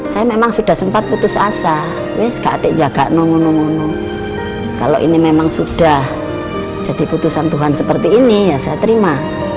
saya memang sudah sempat putus asa ke adik jagak nong gunung kalau ini memang sudah jadi putusan tuhan seperti ini ya saya terima